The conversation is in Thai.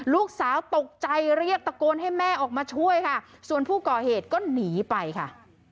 ลูกสาวตกใจเรียกตะโกนให้แม่ออกมาช่วยค่ะส่วนผู้ก่อเหตุก็หนีไปค่ะ